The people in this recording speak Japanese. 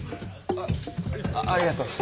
あっありがとう。